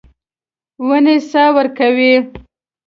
ونې سا ورکوي.